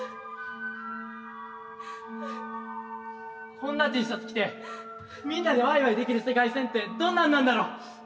こんなＴシャツ着てみんなでワイワイできる世界線ってどんなんなんだろ？